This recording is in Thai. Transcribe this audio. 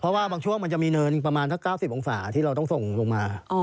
เพราะว่าบางช่วงมันจะมีเนินประมาณสัก๙๐องศาที่เราต้องส่งลงมา